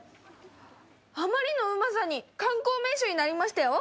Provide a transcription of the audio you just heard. あまりのうまさに観光名所になりましたよ！